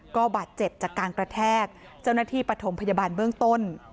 ก็บาดเจ็บจากการกระแทกเจ้าหน้าที่ปฐมพยาบาลเบื้องต้น